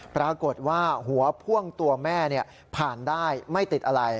ปรากฏว่าหัวพ่วงตัวแม่ผ่านได้ไม่ติดอะไร